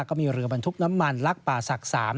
ก็มีเรือบรรทุกน้ำมันลักป่าศักดิ์๓